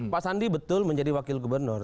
pak sandi betul menjadi wakil gubernur